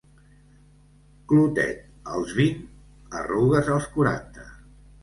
Clotet als vint, arrugues als quaranta.